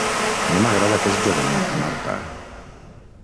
No m'agrada aquest jovenet, Marta...